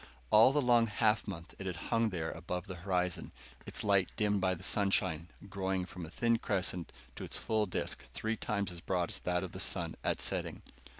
All the long half month it had hung there above the horizon, its light dimmed by the sunshine, growing from a thin crescent to its full disk three times as broad as that of the sun at setting.